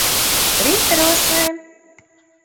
Rīta rosme!